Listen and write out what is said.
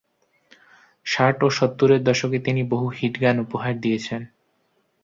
ষাট ও সত্তরের দশকে তিনি বহু হিট গান উপহার দিয়েছেন।